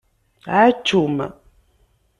Ɛačum!